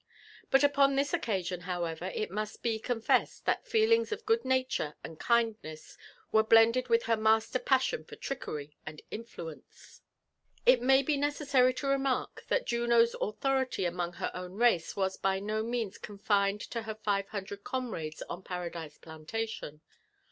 But upon Ihis occasion, however, it must be confessed, that feelings of good nature and kindness were blended with her master passion for trickery and influence. It may be necessary to remark, that Juno's authority among her own race was by no means confined to her five hundred comrades on Paradise Plantalion.